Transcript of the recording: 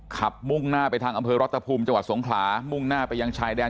มุ่งหน้าไปทางอำเภอรัฐภูมิจังหวัดสงขลามุ่งหน้าไปยังชายแดน